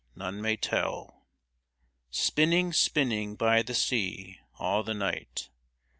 None may tell ! Spinning, spinning by the sea, All the night